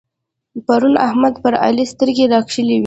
پرون احمد پر علي سترګې راکښلې وې.